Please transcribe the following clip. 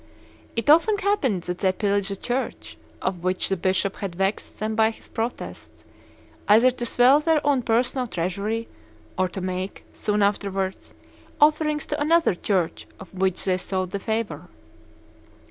It often happened that they pillaged a church, of which the bishop had vexed them by his protests, either to swell their own personal treasury, or to make, soon afterwards, offerings to another church of which they sought the favor.